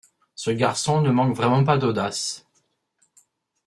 Ce garçon ne manque vraiment pas d'audace.